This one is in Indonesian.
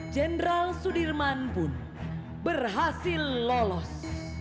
jenderal sudirman pun berhasil lolos